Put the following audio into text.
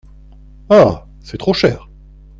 Ah ! c’est trop cher !